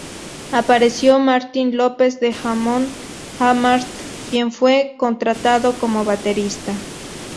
Apareció Martín López de Amon Amarth quien fue contratado como baterista.